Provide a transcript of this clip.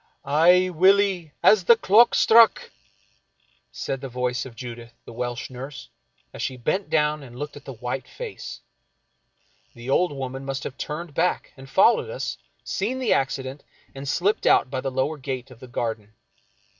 Aye, Willie, as the clock struck !" said the voice of Judith, the Welsh nurse, as she bent down and looked at the white face. The old woman must have turned back and followed us, seen the accident, and slipped out by the lower gate of the garden.